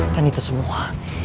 dan itu semua